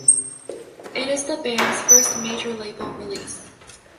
It is the band's first major-label release.